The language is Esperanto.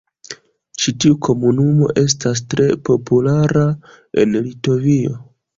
Ĉi tiu komunumo estas tre populara en Litovio.